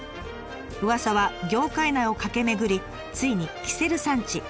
うわさは業界内を駆け巡りついにキセル産地